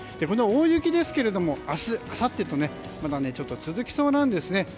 この大雪ですが、明日あさってとまだちょっと続きそうなんですね。